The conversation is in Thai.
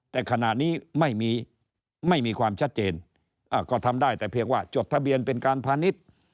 แต่ขณะนี้ไม่มีไม่มีความชัดเจนก็ทำได้แต่เพียงว่าจดทะเบียนเป็นการพาณิชย์